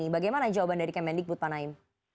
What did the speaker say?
bagaimana jawaban dari kmn dekut pak naim